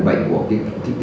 giảm hữu bệnh